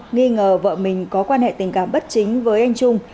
nghi ngờ vợ mình có quan hệ tình cảm bất chính với anh trung